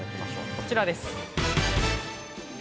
こちらです。